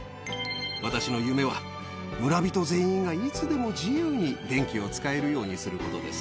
私の夢は、村人全員がいつでも自由に電気を使えるようにすることです。